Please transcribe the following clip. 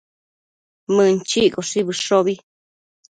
Mënchiccoshi bëshobi